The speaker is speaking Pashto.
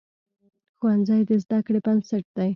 ښوونځی د زده کړې بنسټ دی.